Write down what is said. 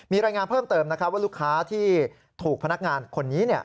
มีรายงานเพิ่มเติมนะครับว่าลูกค้าที่ถูกพนักงานคนนี้